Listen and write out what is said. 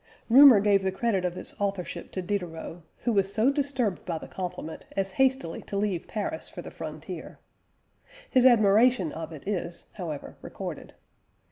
Rumour gave the credit of its authorship to Diderot, who was so disturbed by the compliment as hastily to leave Paris for the frontier. His admiration of it is, however, recorded.